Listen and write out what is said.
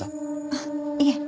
あっいえ。